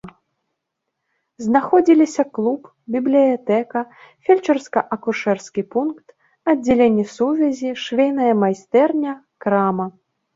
Знаходзіліся клуб, бібліятэка, фельчарска-акушэрскі пункт, аддзяленне сувязі, швейная майстэрня, крама.